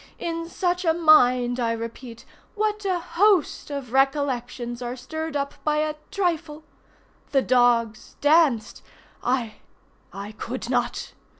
In such a mind, I repeat, what a host of recollections are stirred up by a trifle! The dogs danced! I—I could not!